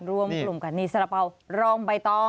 รวมกลุ่มกันนี่สาระเป๋ารองใบตอง